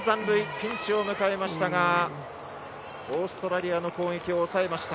ピンチを迎えましたがオーストラリアの攻撃を抑えました。